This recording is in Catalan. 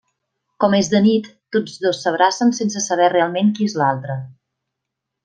Com és de nit, tots dos s'abracen sense saber realment qui és l'altre.